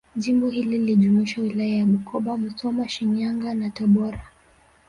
Jimbo hili lilijumuisha Wilaya za Bukoba Musoma Shinyanga na Tabora